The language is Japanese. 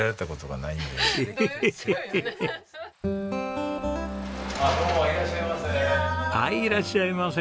はいいらっしゃいませ。